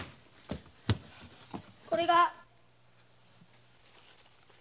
これが。